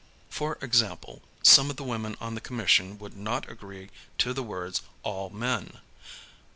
For example, some of the women on the Commission would not agree to the words "All men